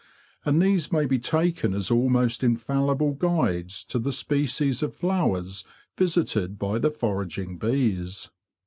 And these may be taken as almost infallible guides to the species of flowers visited by the foraging bees.